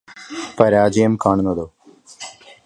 പരാജയം കാണുന്നതോ